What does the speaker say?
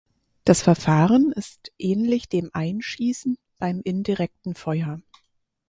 Das Verfahren ist ähnlich dem Einschießen beim indirekten Feuer.